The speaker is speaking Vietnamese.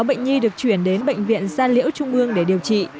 bệnh nhi được chuyển đến bệnh viện gia liễu trung ương để điều trị